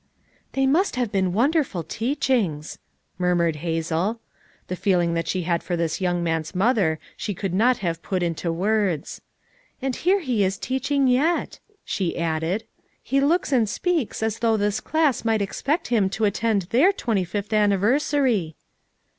"They must have been wonderful teachings I ' murmured Hazel. The feeling that she had for this young man's mother she could not have put into words. "And here he is teach ing yet !" she added. '' He looks and speaks as though this class might expect him to attend their twenty fifth anniversary."